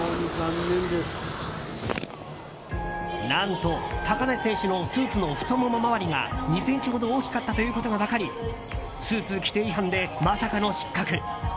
何と高梨選手のスーツの太もも回りが２ｃｍほど大きかったということが分かりスーツ規定違反でまさかの失格。